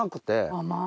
甘い。